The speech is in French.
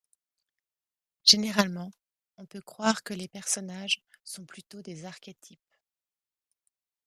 Généralement, on peut croire que les personnages sont plutôt des archétypes.